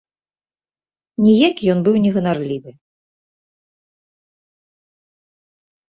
Ніякі ён быў не ганарлівы.